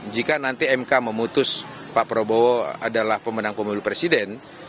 jika nanti mk memutus pak prabowo adalah pemenang pemilu presiden